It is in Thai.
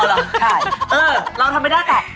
ใช่เออเราทำไม่ได้แต่